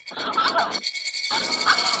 اداري فساد د پرمختګ مخه نیسي.